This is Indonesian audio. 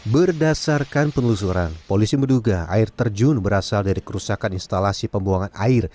berdasarkan penelusuran polisi menduga air terjun berasal dari kerusakan instalasi pembuangan air